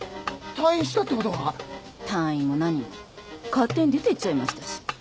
退院も何も勝手に出てっちゃいましたし。